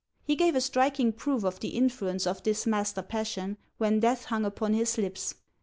He gave a striking proof of the influence of this master passion, when death hung upon his lips.